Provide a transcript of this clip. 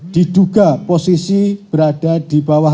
diduga posisi berada di bawah